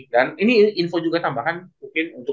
dan ini info juga tambahan mungkin untuk